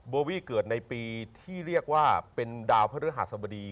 โบวี่เกิดในปีที่เรียกว่าเป็นดาวพระฤหัสบดี